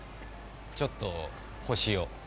ちょっと星を。